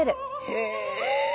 へえ。